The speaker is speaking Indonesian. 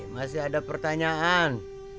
masih ada pertanyaan